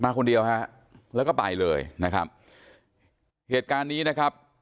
คนเดียวฮะแล้วก็ไปเลยนะครับเหตุการณ์นี้นะครับ